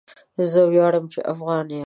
زه وياړم چي افغان يم.